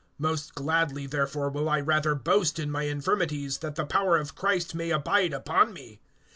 Most gladly therefore will I rather boast in my infirmities, that the power of Christ may abide upon me.